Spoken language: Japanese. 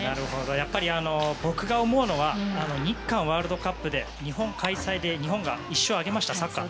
やっぱり僕が思うのは日韓ワールドカップで日本開催で日本が１勝を挙げました、サッカー。